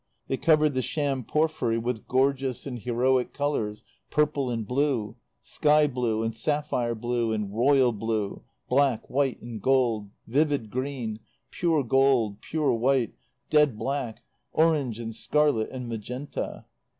They covered the sham porphyry with gorgeous and heroic colours, purple and blue, sky blue and sapphire blue and royal blue, black, white and gold, vivid green, pure gold, pure white, dead black, orange and scarlet and magenta.